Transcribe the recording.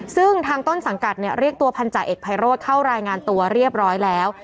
ซึ่งทางต้นสังกัดเนี่ยเรียกตัวพันธาเอกภัยโรธเข้ารายงานตัวเรียบร้อยแล้ว